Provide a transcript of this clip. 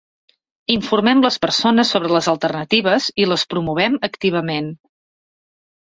Informem les persones sobre les alternatives i les promovem activament.